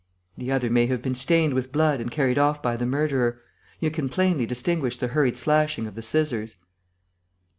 "The other may have been stained with blood and carried off by the murderer. You can plainly distinguish the hurried slashing of the scissors."